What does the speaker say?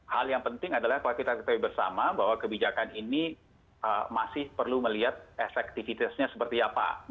hal yang penting adalah kalau kita ketahui bersama bahwa kebijakan ini masih perlu melihat efektivitasnya seperti apa